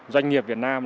doanh nghiệp việt nam